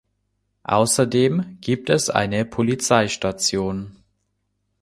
Außerdem gibt es eine Polizeistation.